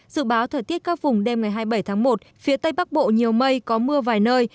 dự báo thời tiết các vùng đêm ngày hai mươi bảy tháng một phía tây bắc bộ nhiều mây có mưa vài nơi